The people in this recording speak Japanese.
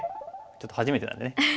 ちょっと初めてなんでね。